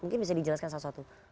mungkin bisa dijelaskan salah satu